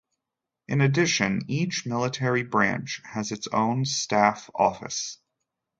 In addition, each military branch has its own Staff Office.